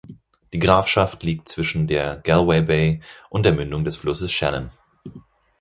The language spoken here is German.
Die Grafschaft liegt zwischen der Galway Bay und der Mündung des Flusses Shannon.